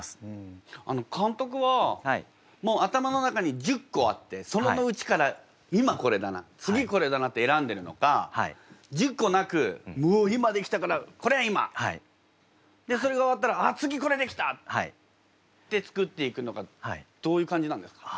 監督はもう頭の中に１０個あってそれのうちから今これだな次これだなって選んでるのか１０個なくもう今出来たからこれ今！でそれが終わったらあ次これ出来た！って作っていくのかどういう感じなんですか？